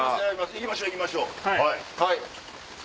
行きましょう行きましょう。